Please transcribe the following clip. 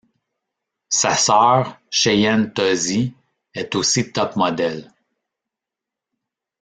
Sa sœur, Cheyenne Tozzi, est aussi top-model.